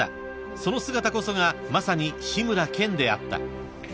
［その姿こそがまさに志村けんであった］用意。